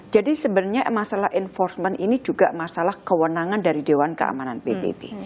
jadi sebenarnya masalah enforcement ini juga masalah kewenangan dari dewan keamanan pbb